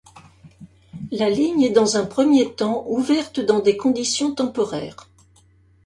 La ligne est dans un premier temps ouverte dans des conditions temporaires.